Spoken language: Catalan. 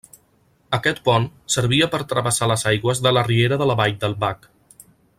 Aquest pont servia per travessar les aigües de la riera de la Vall del Bac.